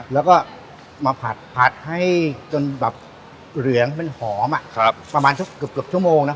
แล้วก็มาผัดผัดให้จนแบบเหลืองเป็นหอมครับประมาณเกือบเกือบชั่วโมงนะ